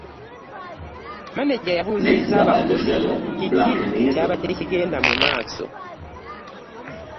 Maneja yabuziiza abakozi ku kiki ekyabadde kigenda mu maaso.